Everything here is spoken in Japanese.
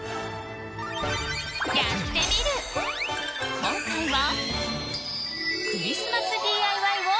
「やってみる。」、今回は。